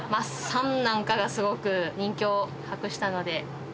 なんかがすごく人気を博したので。